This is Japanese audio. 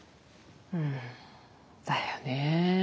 うんだよねえ。